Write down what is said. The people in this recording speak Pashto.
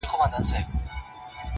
• او که برعکس، -